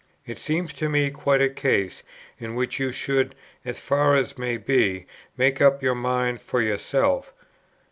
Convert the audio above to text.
It seems to me quite a case, in which you should, as far as may be, make up your mind for yourself.